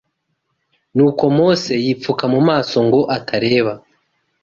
Nuko Mose yipfuka mu masongo atareba